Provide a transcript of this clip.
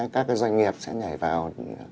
các doanh nghiệp sẽ nhảy vào